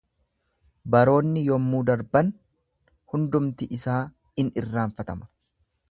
baroonni yommuu darban hundumti isaa in irraanfatama;